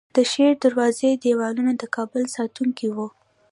د شیردروازې دیوالونه د کابل ساتونکي وو